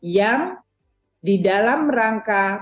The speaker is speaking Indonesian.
yang di dalam rangka bulan ramadan